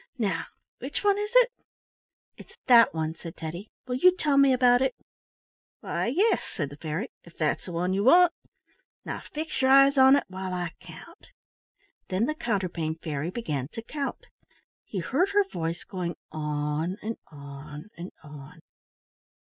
Now which one is it?" "It's that one," said Teddy. "Will you tell me about it?" "Why, yes," said the fairy, "if that's the one you want. Now fix your eyes on it while I count." Then the Counterpane Fairy began to count. He heard her voice going on and on and on.